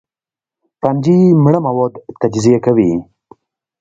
فنجي مړه مواد تجزیه کوي